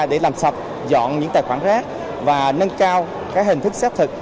để làm sạch dọn những tài khoản rác và nâng cao các hình thức xét thực